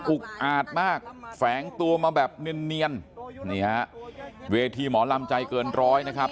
อาจมากแฝงตัวมาแบบเนียนนี่ฮะเวทีหมอลำใจเกินร้อยนะครับ